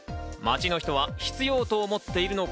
街の人は必要と思っているのか？